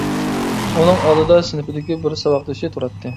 ئۇنىڭ ئالدىدا سىنىپىدىكى بىر ساۋاقدىشى تۇراتتى.